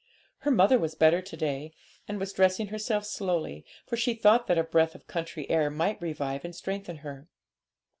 Her mother was better to day, and was dressing herself slowly, for she thought that a breath of country air might revive and strengthen her.